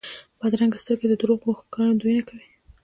بدرنګه سترګې د دروغو ښکارندویي کوي